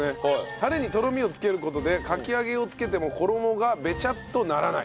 タレにとろみをつける事でかき揚げをつけても衣がべちゃっとならない。